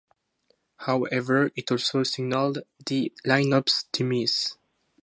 However, it also signaled the lineup's demise.